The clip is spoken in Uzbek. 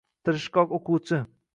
Tirishqoq o‘quvchi.